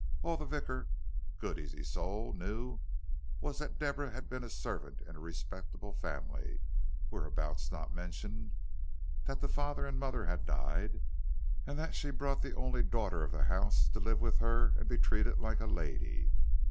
All the vicar, good, easy soul, knew, was that Deborah had been a servant in a respectable family (whereabouts not mentioned); that the father and mother had died, and that she had brought the only daughter of the house to live with her and be treated like a lady.